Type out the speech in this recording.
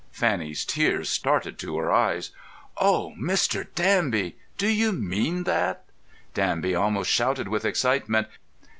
'" Fanny's tears started to her eyes. "Oh, Mr. Danby, do you mean that?" Danby almost shouted with excitement.